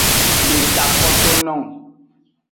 Deka kpoto nung.